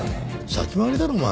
先回りだろお前。